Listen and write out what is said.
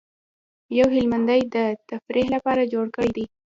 یو هلمندي د تفریح لپاره جوړ کړی دی.